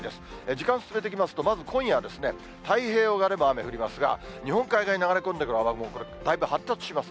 時間進めていきますと、まず今夜ですね、太平洋側で雨が降りますが、日本海側に流れ込んでくる雨雲、これ、だいぶ発達します。